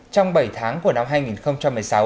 trong bảy tháng của năm hai nghìn một mươi sáu